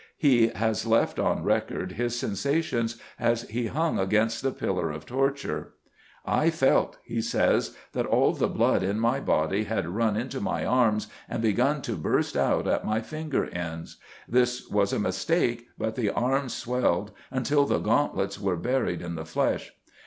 He has left on record his sensations as he hung against the pillar of torture. "I felt," he says, "that all the blood in my body had run into my arms and begun to burst out at my finger ends. This was a mistake, but the arms swelled until the gauntlets were buried in the flesh.